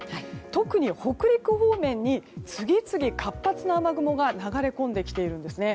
特に北陸方面に次々活発な雨雲が流れ込んできているんですね。